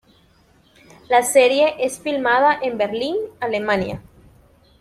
La serie es filmada en Berlín, Alemania.